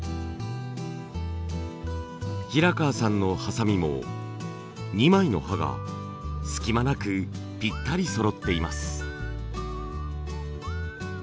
平川さんのハサミも２枚の刃が隙間なくぴったりそろっています。